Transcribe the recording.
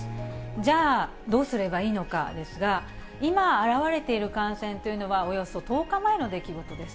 じゃあ、どうすればいいのかですが、今、現れている感染というのは、およそ１０日前の出来事です。